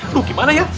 aduh gimana ya